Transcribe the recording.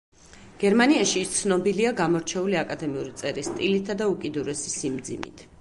გერმანიაში ის ცნობილია გამორჩეული, აკადემიური წერის სტილითა და უკიდურესი სიმძიმით.